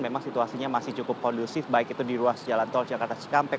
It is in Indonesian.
memang situasinya masih cukup kondusif baik itu di ruas jalan tol jakarta cikampek